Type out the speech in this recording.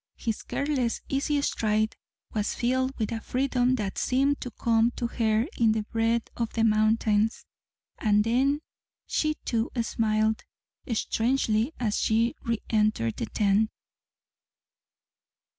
His careless, easy stride was filled with a freedom that seemed to come to her in the breath of the mountains. And then she, too, smiled strangely as she reëntered the tent.